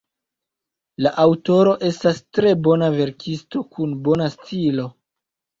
La aŭtoro estas tre bona verkisto, kun bona stilo.